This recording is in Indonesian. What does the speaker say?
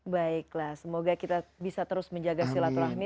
baiklah semoga kita bisa terus menjaga silaturahmi